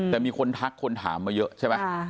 แต่มีคนทักคนถามมาเยอะใช่ไหม